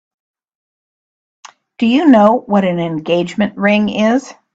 Do you know what an engagement ring is?